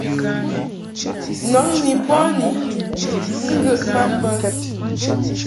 Nɔŋ ni bɔni ŋgəʼ ma mbə.